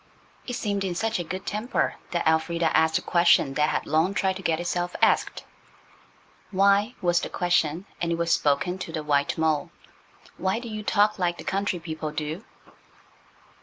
It seemed in such a good temper that Elfrida asked a question that had long tried to get itself asked. "Why," was the question, and it was spoken to the white mole,–"why do you talk like the country people do?"